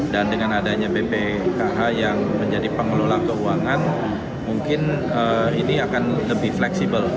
dan dengan adanya bpkh yang menjadi pengelola keuangan mungkin ini akan lebih fleksibel